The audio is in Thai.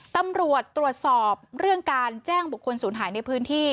ตำรวจตรวจสอบเรื่องการแจ้งบุคคลศูนย์หายในพื้นที่